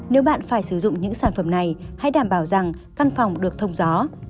nếu bạn phải sử dụng những sản phẩm này hãy đảm bảo rằng căn phòng được thông gió